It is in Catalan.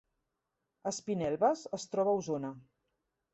Espinelves es troba a Osona